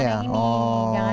jangan yang ini